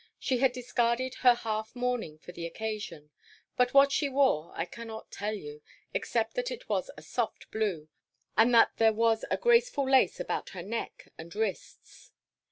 She had discarded her half mourning for the occasion; but what she wore I cannot tell you, except that it was a soft blue, and that there was graceful lace about her neck and wrists.